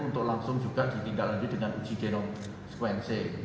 untuk langsung juga ditinggal lagi dengan uji jinos sequencing